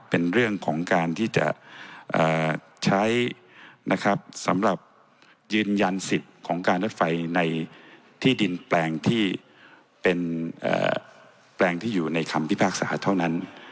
เป็นเรื่องของการที่จะใช้นะครับสำหรับยืนยันสิทธิ์ของการรถไฟในที่ดินแปลงที่เป็นแปลงที่อยู่ในคำพิพากษาเท่านั้น